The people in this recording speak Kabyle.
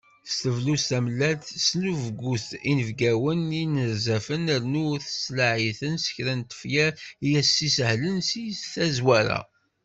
S tebluzt d tamellalt, tesnubgut inebgawen d yinerzafen, rnu tettlaεi-ten s kra n tefyar i as-sihlen si tazwara.